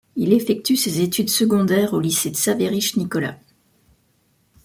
Il effectue ses études secondaires au lycée Tsarévitch-Nicolas.